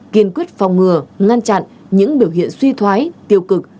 kiên quyết phòng ngừa ngăn chặn những biểu hiện suy thoái tiêu cực